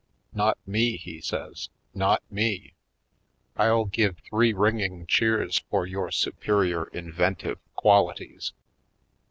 "Not me," he says; "not me. I'll give three ringing cheers for your superior in ventive qualities.